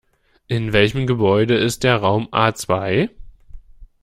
In welchem Gebäude ist der Raum A zwei?